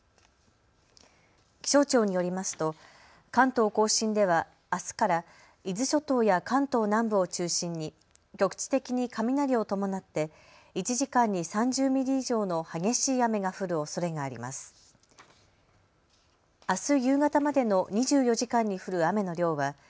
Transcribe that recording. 気象庁によりますと関東甲信ではあすから伊豆諸島や関東南部を中心に局地的に雷を伴って１時間に３０ミリ以上の激しい雨が降るおそれがあります。